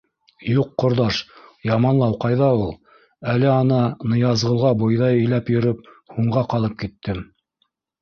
— Юҡ, ҡорҙаш, яманлау ҡайҙа ул. Әле, ана, Ныязғолға бойҙай иләп йөрөп һуңға ҡалып киттем.